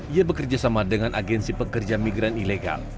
ia bekerjasama dengan agensi pekerja migran ilegal